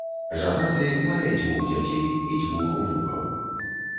Жанаты, мае дзвух дзяцей і дзвух унукаў.